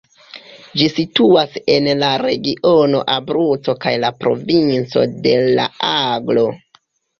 Ĝi situas en la regiono Abruco kaj la provinco de La-Aglo.